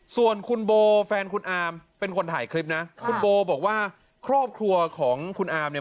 ส่วนคุณโบแฟนคุณอาร์มเป็นคนถ่ายคลิปนะคุณโบบอกว่าครอบครัวของคุณอามเนี่ย